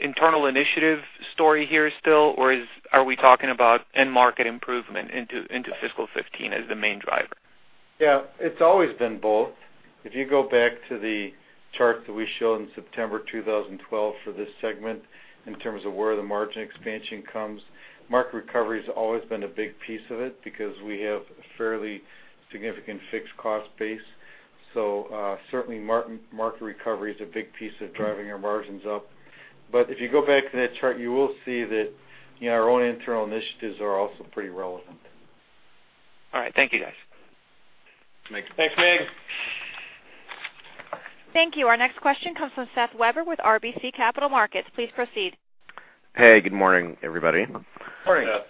internal initiative story here still, or is, are we talking about end market improvement into fiscal 2015 as the main driver? Yeah, it's always been both. If you go back to the chart that we showed in September 2012 for this segment, in terms of where the margin expansion comes, market recovery has always been a big piece of it because we have a fairly significant fixed cost base. So, certainly, market recovery is a big piece of driving our margins up. But if you go back to that chart, you will see that, you know, our own internal initiatives are also pretty relevant. All right. Thank you, guys. Thanks. Thanks, Mig. Thank you. Our next question comes from Seth Weber with RBC Capital Markets. Please proceed. Hey, good morning, everybody. Morning, Seth.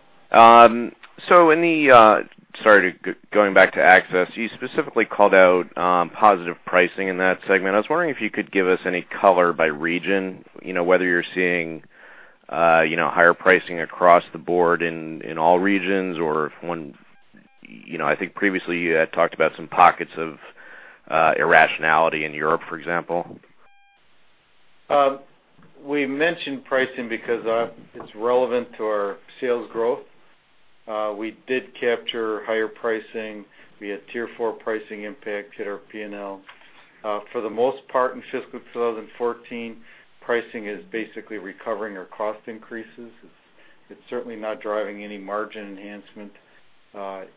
So in the, sorry, going back to Access, you specifically called out positive pricing in that segment. I was wondering if you could give us any color by region, you know, whether you're seeing, you know, higher pricing across the board in all regions, or if one, you know, I think previously, you had talked about some pockets of irrationality in Europe, for example. We mentioned pricing because it's relevant to our sales growth. We did capture higher pricing. We had Tier 4 pricing impact hit our P&L. For the most part, in fiscal 2014, pricing is basically recovering our cost increases. It's certainly not driving any margin enhancement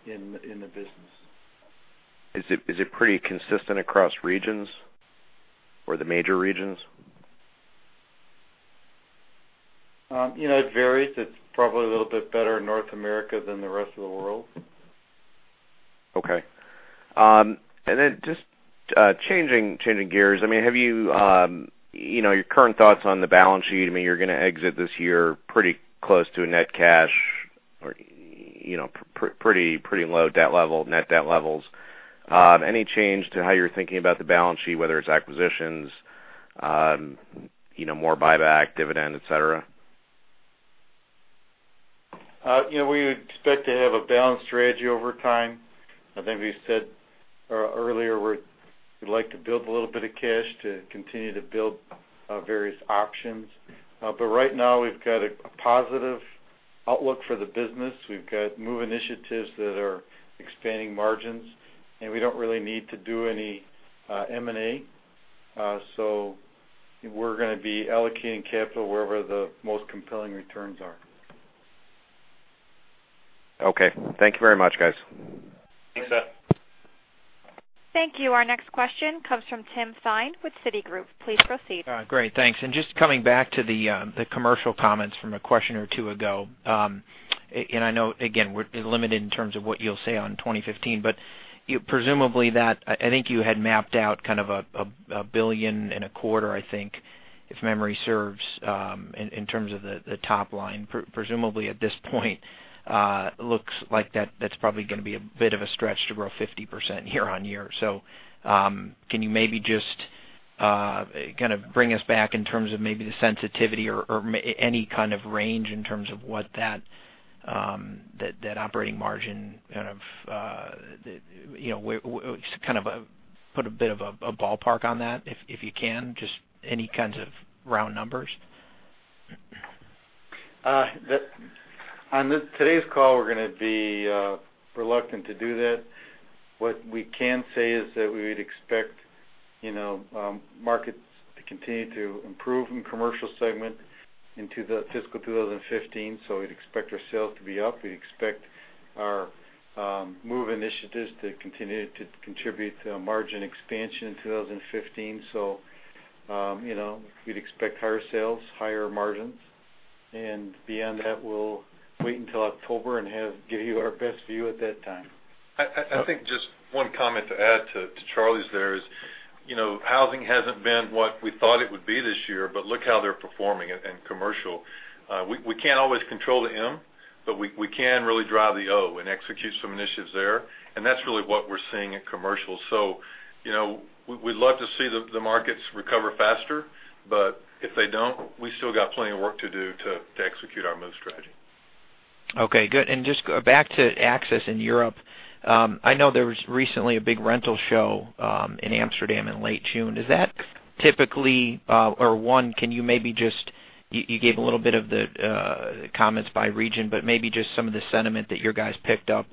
in the business. Is it pretty consistent across regions or the major regions? You know, it varies. It's probably a little bit better in North America than the rest of the world. Okay. And then just changing gears, I mean, have you, you know, your current thoughts on the balance sheet? I mean, you're going to exit this year pretty close to a net cash or, you know, pretty low debt level, net debt levels. Any change to how you're thinking about the balance sheet, whether it's acquisitions, you know, more buyback, dividend, et cetera? You know, we would expect to have a balanced strategy over time. I think we said earlier, we're, we'd like to build a little bit of cash to continue to build various options. But right now, we've got a positive outlook for the business. We've got MOVE initiatives that are expanding margins, and we don't really need to do any M&A. So we're going to be allocating capital wherever the most compelling returns are. Okay. Thank you very much, guys. Thanks, Seth. Thank you. Our next question comes from Tim Thein with Citigroup. Please proceed. Great, thanks. And just coming back to the commercial comments from a question or two ago. And I know, again, we're limited in terms of what you'll say on 2015, but you presumably that, I think you had mapped out kind of a billion and a quarter, I think, if memory serves, in terms of the top line. Presumably at this point, looks like that, that's probably going to be a bit of a stretch to grow 50% year-over-year. Can you maybe just kind of bring us back in terms of maybe the sensitivity or many kind of range in terms of what that operating margin kind of you know would kind of put a bit of a ballpark on that, if you can, just any kinds of round numbers? On today's call, we're going to be reluctant to do that. What we can say is that we would expect, you know, markets to continue to improve in Commercial segment into the fiscal 2015, so we'd expect our sales to be up. We expect our MOVE initiatives to continue to contribute to a margin expansion in 2015. So, you know, we'd expect higher sales, higher margins, and beyond that, we'll wait until October and have, give you our best view at that time. I think just one comment to add to Charlie's. There is, you know, housing hasn't been what we thought it would be this year, but look how they're performing in commercial. We can't always control the M, but we can really drive the O and execute some initiatives there, and that's really what we're seeing in commercial. So, you know, we'd love to see the markets recover faster, but if they don't, we still got plenty of work to do to execute our MOVE Strategy. Okay, good. And just back to Access in Europe, I know there was recently a big rental show in Amsterdam in late June. Is that typically, can you maybe just... You gave a little bit of the comments by region, but maybe just some of the sentiment that your guys picked up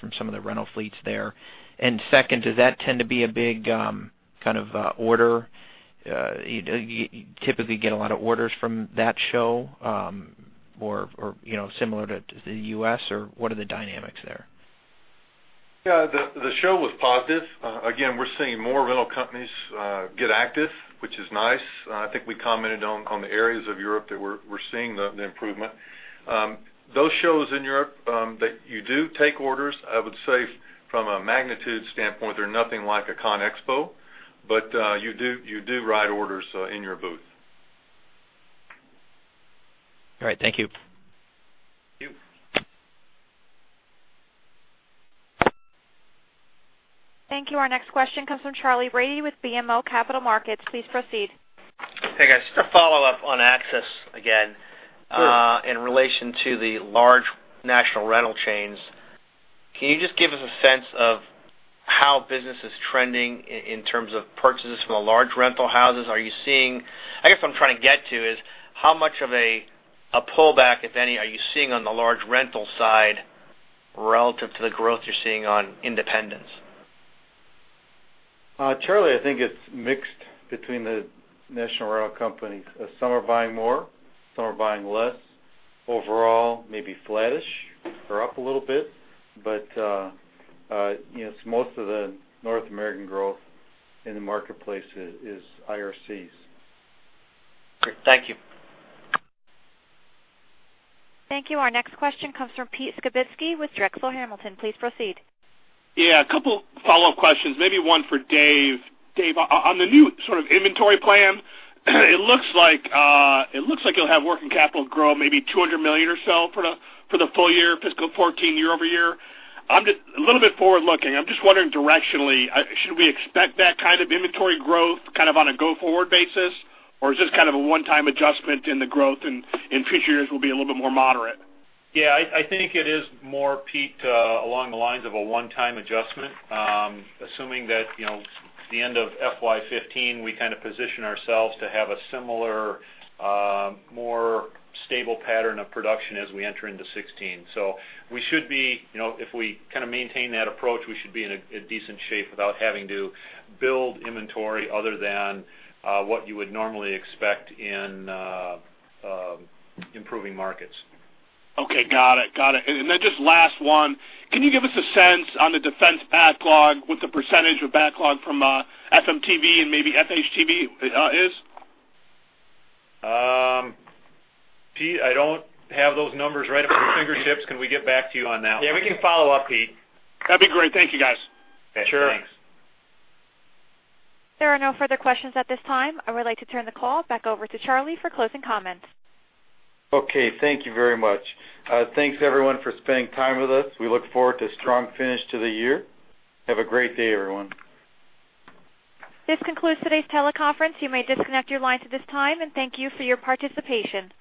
from some of the rental fleets there. And second, does that tend to be a big kind of order? Do you typically get a lot of orders from that show, or, you know, similar to the U.S., or what are the dynamics there? Yeah, the show was positive. Again, we're seeing more rental companies get active, which is nice. I think we commented on the areas of Europe that we're seeing the improvement. Those shows in Europe that you do take orders, I would say from a magnitude standpoint, they're nothing like a ConExpo, but you do write orders in your booth. All right. Thank you. Thank you. Thank you. Our next question comes from Charley Brady with BMO Capital Markets. Please proceed. Hey, guys. Just a follow-up on Access again- Sure. In relation to the large national rental chains. Can you just give us a sense of how business is trending in terms of purchases from the large rental houses? Are you seeing—I guess what I'm trying to get to is, how much of a pullback, if any, are you seeing on the large rental side relative to the growth you're seeing on independents? Charlie, I think it's mixed between the national rental companies. Some are buying more, some are buying less. Overall, maybe flattish or up a little bit, but you know, most of the North American growth in the marketplace is IRCs. Great. Thank you. Thank you. Our next question comes from Pete Skibitski with Drexel Hamilton. Please proceed. Yeah, a couple follow-up questions, maybe one for Dave. Dave, on the new sort of inventory plan, it looks like, it looks like you'll have working capital grow maybe $200 million or so for the, for the full year, fiscal 2014, year-over-year. I'm just a little bit forward-looking. I'm just wondering directionally, should we expect that kind of inventory growth kind of on a go-forward basis, or is this kind of a one-time adjustment in the growth and, and future years will be a little bit more moderate? Yeah, I think it is more, Pete, along the lines of a one-time adjustment. Assuming that, you know, the end of FY 2015, we kind of position ourselves to have a similar, more stable pattern of production as we enter into 2016. So we should be, you know, if we kind of maintain that approach, we should be in a decent shape without having to build inventory other than what you would normally expect in improving markets. Okay, got it. Got it. And then just last one, can you give us a sense on the defense backlog, what the percentage of backlog from FMTV and maybe FHTV is? Pete, I don't have those numbers right at my fingertips. Can we get back to you on that one? Yeah, we can follow up, Pete. That'd be great. Thank you, guys. Sure. Thanks. There are no further questions at this time. I would like to turn the call back over to Charlie for closing comments. Okay, thank you very much. Thanks, everyone, for spending time with us. We look forward to a strong finish to the year. Have a great day, everyone. This concludes today's teleconference. You may disconnect your lines at this time, and thank you for your participation.